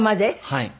はい。